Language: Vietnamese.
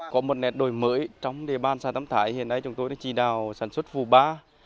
có một nét đổi mới trong địa bàn xã tâm thái hiện nay chúng tôi đã chỉ đào sản xuất vụ ba